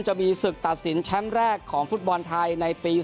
จะมีศึกตัดสินแชมป์แรกของฟุตบอลไทยในปี๒๐